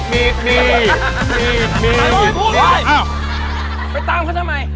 ไม่ต้องให้พูดเลยอ้าวไปตามเขาทำไม